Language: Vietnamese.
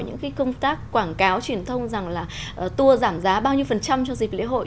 những cái công tác quảng cáo truyền thông rằng là tour giảm giá bao nhiêu phần trăm cho dịp lễ hội